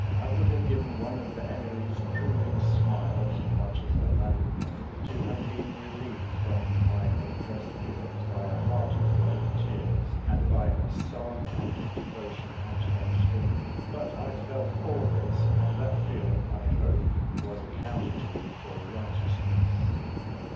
I would have given one of Emily's approving smiles, much as I valued them, to have been relieved from my oppressed feelings by a hearty flood of tears, and by a solemn act of devotion and thanksgiving; but I felt all this, and that feeling, I hope, was accounted to me for righteousness.